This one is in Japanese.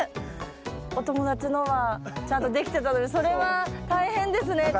お友達のはちゃんとできてたのにそれは大変ですねちょっと。